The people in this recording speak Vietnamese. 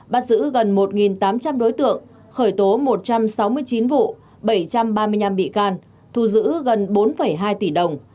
bắt giữ gần một tám trăm linh đối tượng khởi tố một trăm sáu mươi chín vụ bảy trăm ba mươi năm bị can thu giữ gần bốn hai tỷ đồng